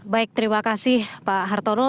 baik terima kasih pak hartono